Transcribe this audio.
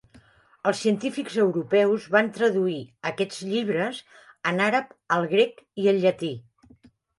Els científics europeus van traduir aquests llibres en àrab al grec i al llatí.